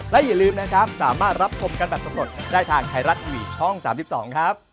แล้วก็สร้างผ่อนบันเทิงด้วยนะ